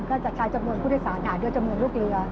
จะใช้จำนวนผู้โดยสารหาด้วยจำนวนลูกเรือ